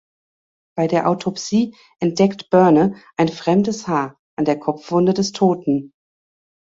Bei der Autopsie entdeckt Boerne ein fremdes Haar an der Kopfwunde des Toten.